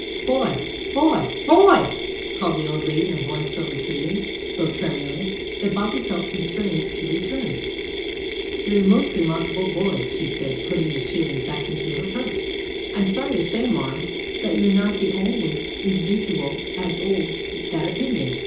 "Boy, boy, boy!" called the old lady in a voice so entreating, though tremulous, that Bobby felt constrained to return. "You're a most remarkable boy," she said, putting the shilling back into her purse. "I'm sorry to say, marm, that you're not the on'y indiwidooal as 'olds that opinion."